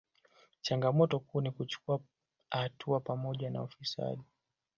Changamoto kuu ni pamoja na kuchukua hatua thabiti dhidi ya ufisadi